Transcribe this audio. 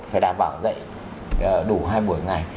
phải đảm bảo dạy đủ hai buổi ngày